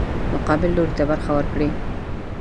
مقابل لوري ته برخه ورکړي.